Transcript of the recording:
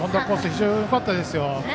非常によかったです。